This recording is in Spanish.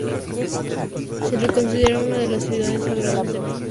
Se la considera una de las ciudades sagradas de la India.